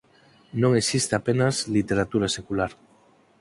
Non existe apenas literatura secular.